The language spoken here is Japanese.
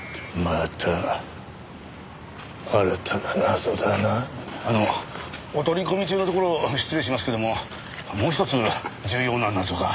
あのお取り込み中のところ失礼しますけどももうひとつ重要な謎が。